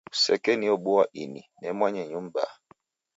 Kusekeniobua ini ne mwanyinyu mbaa.